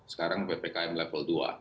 sekarang ppkm level dua